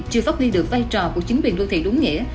chưa phát huy được vai trò của chính quyền đô thị đúng nghĩa